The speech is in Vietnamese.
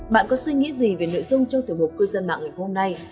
bạn có suy nghĩ gì về nội dung trong tiểu mục cư dân mạng ngày hôm nay